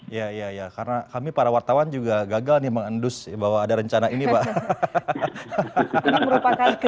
iya iya karena kami para wartawan juga gagal nih mengendus bahwa ada rencana ini pak